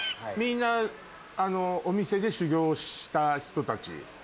みんなお店で修業した人たち？